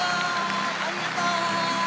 ありがとう！